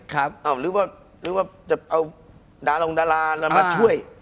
หรือว่าจะเอาดารงดารามาช่วย